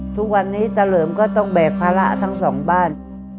ทุกวันนี้เฉลิมก็ต้องแบกภาระทั้งสองบ้าน